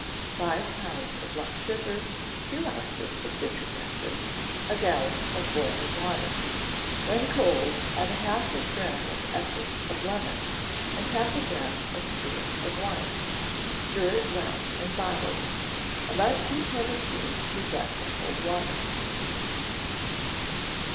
Five pounds of lump sugar, two ounces of citric acid, a gallon of boiling water: when cold add half a drachm of essence of lemon and half a drachm of spirit of wine; stir it well and bottle it. About two tablespoonfuls to a glass of cold water.